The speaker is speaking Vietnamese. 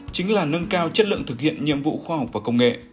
chính là nâng cao chất lượng thực hiện nhiệm vụ khoa học và công nghệ